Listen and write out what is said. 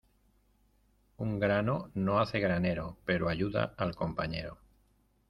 Un grano no hace granero, pero ayuda al compañero.